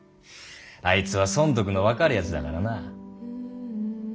あいつは損得の分かるやつだからな。